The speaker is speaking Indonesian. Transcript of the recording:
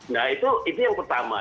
nah itu yang pertama